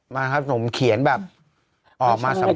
มาส่งเขียนแบบออกมาสัมภัณฑ์